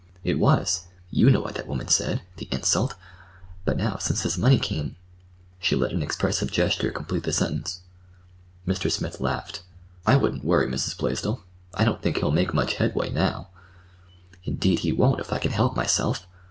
"It was. you know what that woman said—the insult! But now, since this money came—" She let an expressive gesture complete the sentence. Mr. Smith laughed. "I wouldn't worry, Mrs. Blaisdell. I don't think he'll make much headway—now." "Indeed, he won't—if I can help myself!"